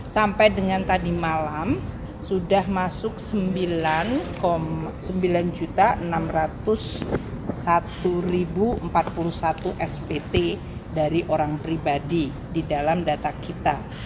sampai dengan tadi malam sudah masuk sembilan enam ratus satu empat puluh satu spt dari orang pribadi di dalam data kita